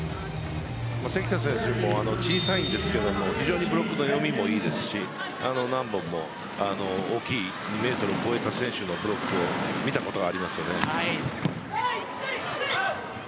関田選手も小さいですが非常にブロックの読みもいいし何本も大きい２ｍを超えた選手のブロックを見たことがありますね。